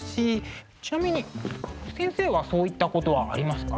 ちなみに先生はそういったことはありますか？